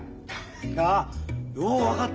いやよう分かった！